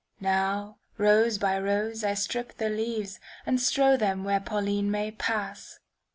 Now, rose by rose, I strip the leavesAnd strow them where Pauline may pass.